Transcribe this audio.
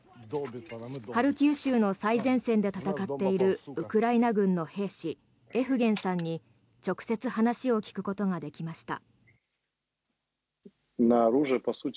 ハルキウ州の最前線で戦っているウクライナ軍の兵士エフゲンさんに直接話を聞くことができました。